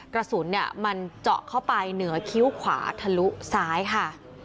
กระสุนมันเจาะเข้าไปเหนือคิ้วขวาทะลุซ้ายค่ะ